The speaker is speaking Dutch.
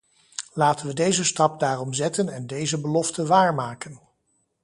Laten we deze stap daarom zetten en deze belofte waarmaken!